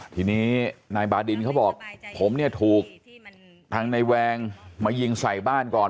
ทีนี้นายบาดินเขาบอกผมเนี่ยถูกทางในแวงมายิงใส่บ้านก่อน